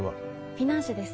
フィナンシェです